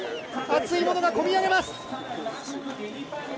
熱いものがこみ上げます。